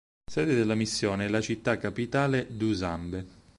Sede della missione è la città capitale Dušanbe.